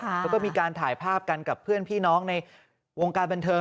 เขาก็มีการถ่ายภาพกันกับเพื่อนพี่น้องในวงการบันเทิง